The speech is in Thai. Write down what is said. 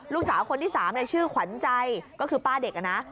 ลูกสาวคนที่๓ชื่อขวัญใจก็คือป้าเด็กนะ